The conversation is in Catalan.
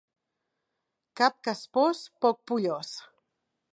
Cap caspós, poc pollós.